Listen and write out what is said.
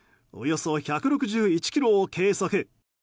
およそ１６１キロを計測。